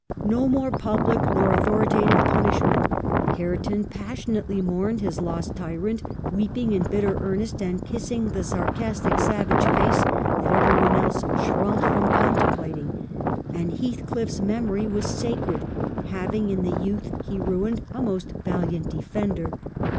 No more public nor authoritative punishment. Hareton passionately mourned his lost tyrant, weeping in bitter earnest, and kissing the sarcas tic, savage face that every one else shrunk from contemplating. And Heathcliff's memory was sacred, having in the youth he ruined a most valiant defender.